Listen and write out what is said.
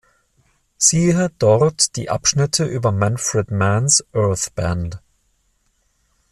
Siehe dort die Abschnitte über Manfred Mann's Earth Band.